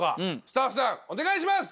スタッフさんお願いします！